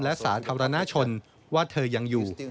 และสาธารณชนว่าเธอยังอยู่